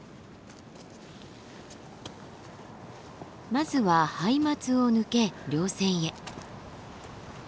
まずはハイマツを抜け稜線へ。